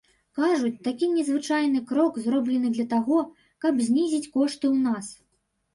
Кажуць, такі незвычайны крок зроблены для таго, каб знізіць кошты ў нас.